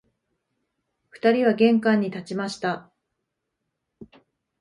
二人は玄関に立ちました